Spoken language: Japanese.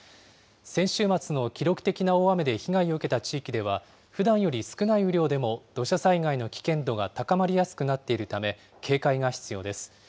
先週末の記録的な大雨で被害を受けた地域では、ふだんより少ない雨量でも土砂災害の危険度が高まりやすくなっているため、警戒が必要です。